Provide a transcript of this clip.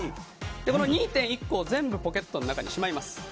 この２．１個を全部ポケットの中にしまいます。